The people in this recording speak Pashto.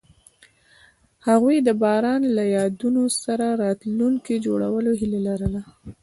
هغوی د باران له یادونو سره راتلونکی جوړولو هیله لرله.